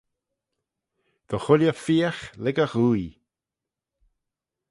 Dy chooilley feeagh lurg e ghooie.